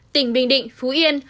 tỉnh bình định phú yên